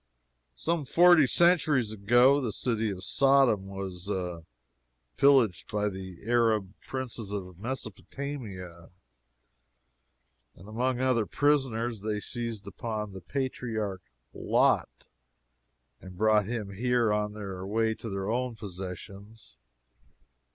Some forty centuries ago the city of Sodom was pillaged by the Arab princes of Mesopotamia, and among other prisoners they seized upon the patriarch Lot and brought him here on their way to their own possessions.